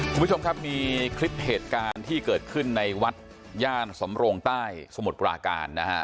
คุณผู้ชมครับมีคลิปเหตุการณ์ที่เกิดขึ้นในวัดย่านสำโรงใต้สมุทรปราการนะฮะ